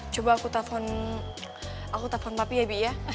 coba aku telfon aku telfon papi ya bi ya